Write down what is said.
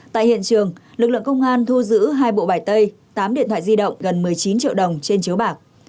tại hiện trường lực lượng công an thu giữ hai bộ bài tay tám điện thoại di động gần một mươi chín triệu đồng trên chiếu bạc